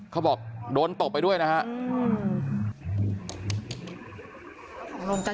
เขาบอกโดนตบไปด้วยนะครับ